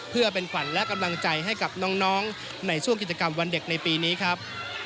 เพื่อเป็นขวัญและกำลังใจให้กับน้องในช่วงกิจกรรมวันเด็กในปีนี้ครับ